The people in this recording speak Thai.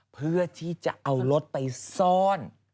เพื่อที่จะเอารถไปซ่อน